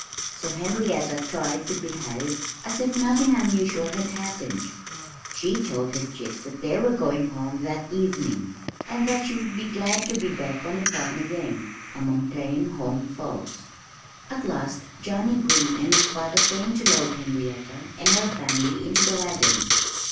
So Henrietta tried to behave as if nothing unusual had happened. She told her chicks that they were going home that evening, and that she would be glad to be back on the farm again, among plain home folks. At last Johnnie Green and his father came to load Henrietta and her family into the wagon.